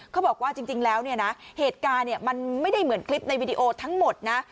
เขาบอกว่าจริงแล้วเนี่ยนะเหตุการณ์มันไม่ได้เหมือนคลิปในวิดีโอทั้งหมดนะ